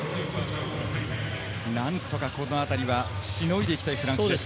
何とかこのあたりはしのいで行きたいフランスです。